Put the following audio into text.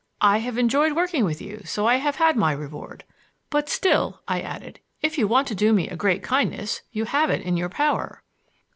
"I have enjoyed working with you so I have had my reward. But still," I added, "if you want to do me a great kindness, you have it in your power."